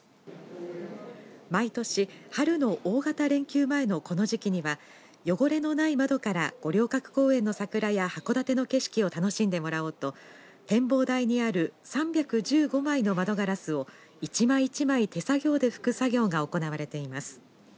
毎年、春の大型連休前のこの時期には汚れのない窓から五稜郭公園の桜や函館の景色を楽しんでもらおうと展望台にある３１５枚の窓ガラスを一枚一枚手作業で拭く作業が行われています。